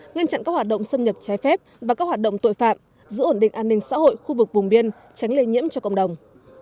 ngăn chặn các hoạt động xâm nhập trái phép và các hoạt động tội phạm giữ ổn định an ninh xã hội khu vực vùng biên tránh lây nhiễm cho cộng đồng